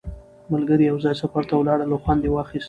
ملګري یو ځای سفر ته ولاړل او خوند یې واخیست